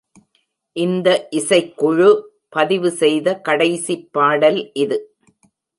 இந்த இசைக்குழு பதிவுசெய்த கடைசிப் பாடல் இது.